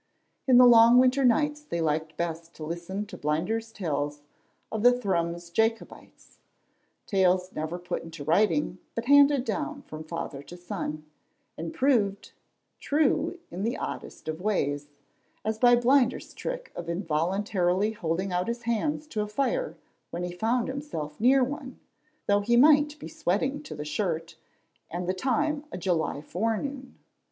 In the long winter nights they liked best to listen to Blinder's tales of the Thrums Jacobites, tales never put into writing, but handed down from father to son, and proved true in the oddest of ways, as by Blinder's trick of involuntarily holding out his hands to a fire when he found himself near one, though he might be sweating to the shirt and the time a July forenoon.